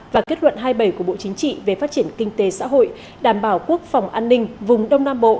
và kết luận hai mươi bảy của bộ chính trị về phát triển kinh tế xã hội đảm bảo quốc phòng an ninh vùng đông nam bộ